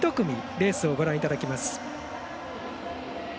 レースをご覧いただきます。